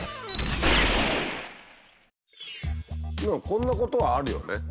こんなことはあるよね